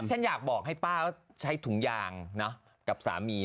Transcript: ฉันอยากบอกให้ป้าใช้ถุงยางกับสามี